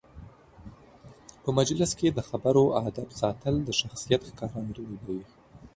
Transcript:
په مجلس کې د خبرو آدب ساتل د شخصیت ښکارندوی دی.